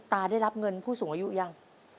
ได้รับเงินผู้สูงอายุยัง